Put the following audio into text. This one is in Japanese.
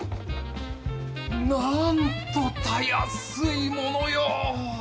なんとたやすいものよ！